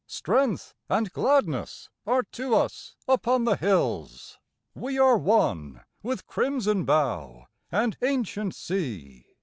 Strength and gladness are to us upon the hills; We are one with crimson bough and ancient sea.